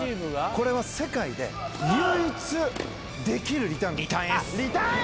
これは世界で唯一できるリターン。